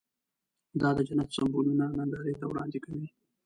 دا د جنت سمبولونه نندارې ته وړاندې کوي.